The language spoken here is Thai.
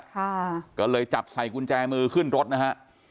ค่ะก็เลยจับใส่กุญแจมือขึ้นรถนะฮะ